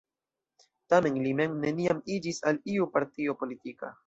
Tamen li mem neniam iĝis al iu partio politika.